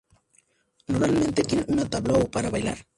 Normalmente tienen un "tablao" para bailar.